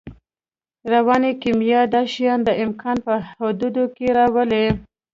رواني کیمیا دا شیان د امکان په حدودو کې راولي